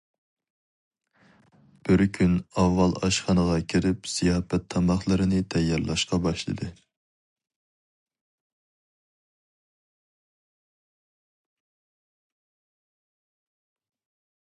بىر كۈن ئاۋۋال ئاشخانىغا كىرىپ زىياپەت تاماقلىرىنى تەييارلاشقا باشلىدى.